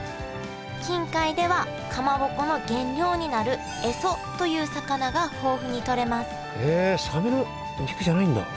近海ではかまぼこの原料になるエソという魚が豊富にとれますへえ。